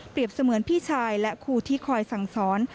เสมือนพี่ชายและครูที่คอยสั่งสอน